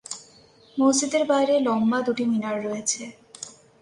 মসজিদের বাইরে লম্বা দুটি মিনার রয়েছে।